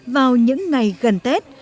vào những ngày gần tết